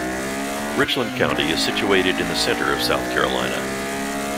Richland County is situated in the center of South Carolina.